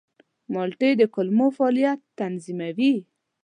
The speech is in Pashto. مالټې د کولمو فعالیت تنظیموي.